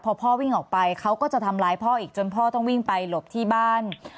พอพ่อวิ่งออกไปเขาก็จะทำร้ายพ่ออีกจนพ่อต้องวิ่งไปหลบที่บ้าน